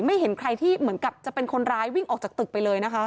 เห็นใครที่เหมือนกับจะเป็นคนร้ายวิ่งออกจากตึกไปเลยนะคะ